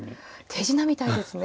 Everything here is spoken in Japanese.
手品みたいですね。